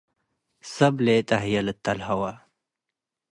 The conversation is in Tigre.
ሰብ ለጠ ህዬ ልተልሀወ ።